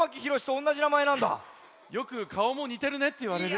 よくかおもにてるねっていわれる。